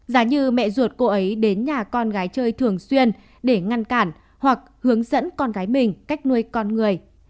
giá như mẹ ruột cô ấy đến nhà con gái chơi thường xuyên để ngăn cản hoặc hướng dẫn con gái mình cách nuôi con người